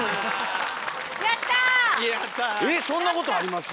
えっそんなことあります？